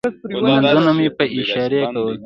لمونځونه مې په اشارې کول.